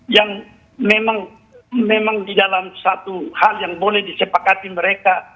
yang memang di dalam satu hal yang boleh disepakati mereka